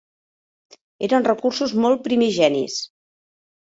Eren recursos molt primigenis.